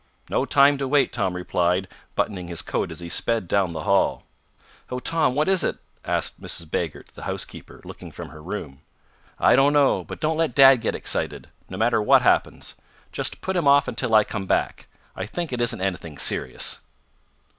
"No time to wait," Tom replied, buttoning his coat as he sped down the hall. "Oh, Tom, what is it?" asked Mrs. Baggert, the housekeeper, looking from her room. "I don't know. But don't let dad get excited, no matter what happens. Just put him off until I come back. I think it isn't anything serious."